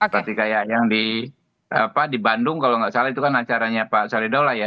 tapi kayak yang di bandung kalau nggak salah itu kan acaranya pak salidola ya